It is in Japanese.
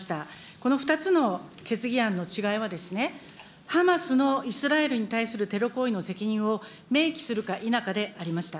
この２つの決議案の違いはですね、ハマスのイスラエルに対するテロ行為の責任を明記するか否かでありました。